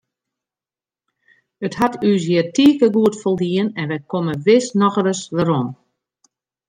It hat ús hjir tige goed foldien en wy komme wis noch ris werom.